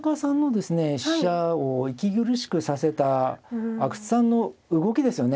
飛車を息苦しくさせた阿久津さんの動きですよね。